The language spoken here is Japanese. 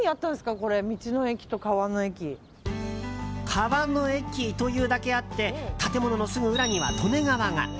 川の駅というだけあって建物のすぐ裏には利根川が。